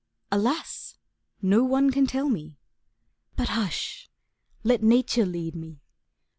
Alas! no one can tell me. But, hush! let Nature lead me.